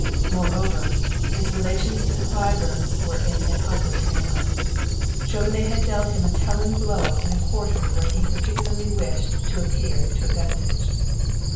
Moreover, his relations to the Claibornes were in an ugly tangle: Chauvenet had dealt him a telling blow in a quarter where he particularly wished to appear to advantage.